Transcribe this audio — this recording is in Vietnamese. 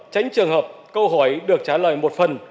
tránh trường hợp câu hỏi được trả lời một phần